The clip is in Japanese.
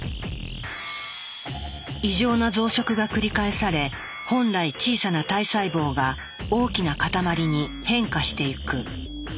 異常な増殖が繰り返され本来小さな体細胞が大きな塊に変化していく。